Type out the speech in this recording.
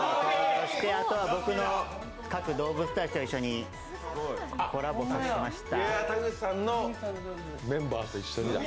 あとは僕の描く動物たちを一緒にコラボさせました。